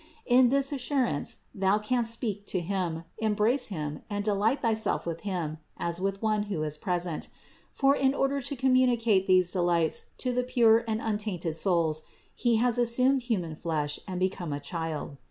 In this assurance thou canst speak to Him, embrace Him and delight thyself with Him, as with One who is present; for in order to communicate these delights to the pure and untainted souls He has assumed human flesh and become a Child.